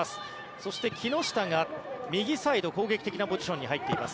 そして木下が右サイド、攻撃的なポジションに入っています。